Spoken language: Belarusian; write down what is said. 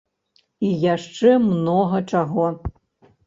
І яшчэ многа чаго.